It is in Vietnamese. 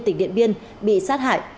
tỉnh điện biên bị sát hại